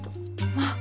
まあ。